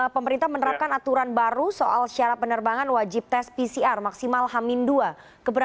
pemerintah menerapkan aturan baru soal syarat penerbangan wajib tes pcr maksimal hamin dua